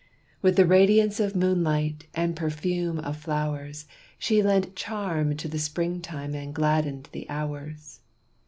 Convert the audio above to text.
With the radiance of moonlight and perfume of flowers, She lent charm to the springtime and gladdened the hours.